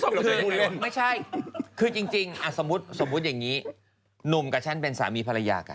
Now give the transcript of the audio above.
ก็คือไม่ใช่คือจริงสมมุติอย่างนี้หนุ่มกับฉันเป็นสามีภรรยากัน